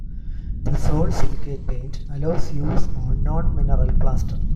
The sol silicate paint allows use on non-mineral plaster.